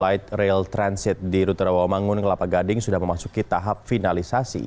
light rail transit di rute rawamangun kelapa gading sudah memasuki tahap finalisasi